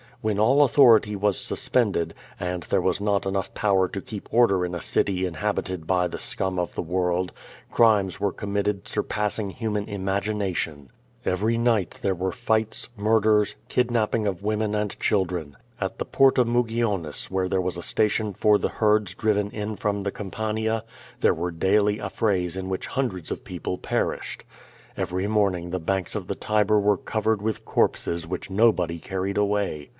When all au thority was suspended, and there was not enough power to keep order in a city inhabited by the scum of the world, crimes were committed surpassing human imagination. Kvery night there were fights, murders, kidnapping of women and children. At the Porta Mugionis where there was a station for the herds driven in from the Campania, there were daily affrays in which hundreds of people perished. Every morning the banks of the Tiber were covered with corpses which nobody carried away.